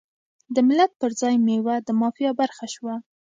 د ملت پر ځای میوه د مافیا برخه شوه.